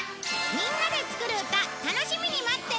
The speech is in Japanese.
みんなで作る歌楽しみに待ってるよ！